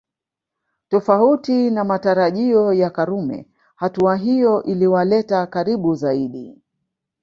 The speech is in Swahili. Tofauti na matarajio ya Karume hatua hiyo iliwaleta karibu zaidi